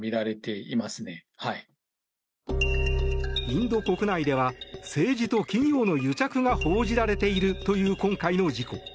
インド国内では政治と企業の癒着が報じられているという今回の事故。